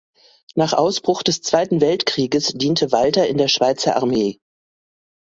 Nach Ausbruch des Zweiten Weltkrieges diente Walter in der Schweizer Armee.